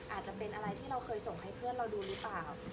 อาจจะเป็นอะไรที่เราเคยส่งให้เพื่อนเราดูหรือเปล่า